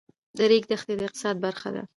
د ریګ دښتې د اقتصاد برخه ده.